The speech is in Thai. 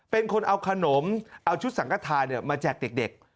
เป็นคนเอาขนมเอาชุดสังฆฐานมาแจกเด็ก